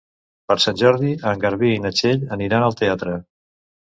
Per Sant Jordi en Garbí i na Txell aniran al teatre.